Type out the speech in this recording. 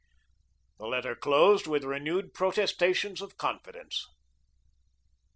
The letter closed with renewed protestations of confidence.